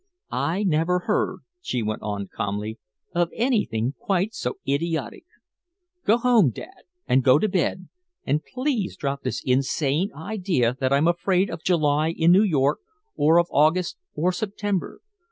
"I never heard," she went on calmly, "of anything quite so idiotic. Go home, Dad, and go to bed, and please drop this insane idea that I'm afraid of July in New York, or of August or September.